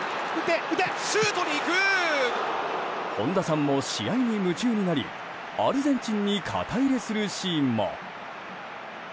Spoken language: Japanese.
本田さんも試合に夢中になりアルゼンチンに肩入れするシーンも。